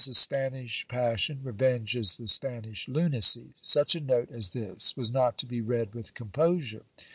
a Spanish passion, revenge is the Spanish lunacy. Such a note as th:s was not to be read with composure.